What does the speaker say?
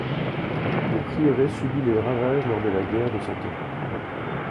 Le prieuré subit des ravages lors de la guerre de Cent Ans.